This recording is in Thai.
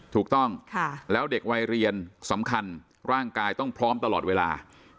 ถูกต้องแล้วเด็กวัยเรียนสำคัญร่างกายต้องพร้อมตลอดเวลา